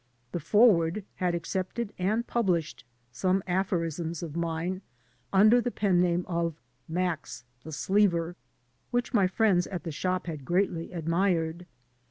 The Forward had accepted and pubUshed some aphorisms of mine under the pen name of "Max the Sleever," which my friends at the shop had greatly admired.